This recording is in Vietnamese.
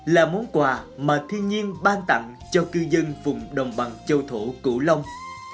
là món quà mà thiên nhiên ban tặng cho cư dân vùng đồng bằng châu thổ cửu long